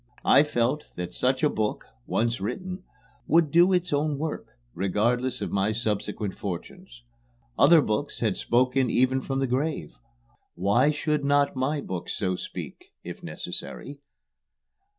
I felt that such a book, once written, would do its own work, regardless of my subsequent fortunes. Other books had spoken even from the grave; why should not my book so speak if necessary?